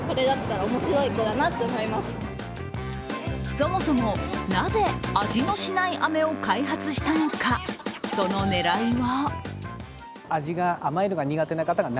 そもそも、なぜ味のしない飴を開発したのかその狙いは？